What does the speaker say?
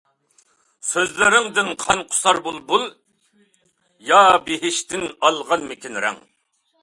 سۆزلىرىڭدىن قان قۇسار بۇلبۇل يا بېھىشتىن ئالغانمىكىن رەڭ.